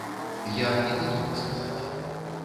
Я не гатовы сказаць.